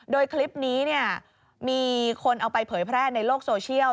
โดยคลิปนี้มีคนเอาไปเผยแพร่ในโลกโซเชียล